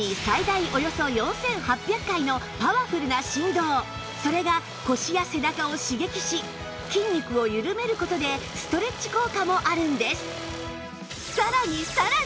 そう１分間にそれが腰や背中を刺激し筋肉を緩める事でストレッチ効果もあるんです